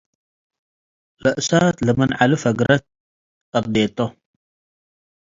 ለእሳት ለምን ዐሊ ፈግረት አብዴቶ።